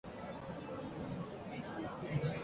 Manténgase en contacto con la influenza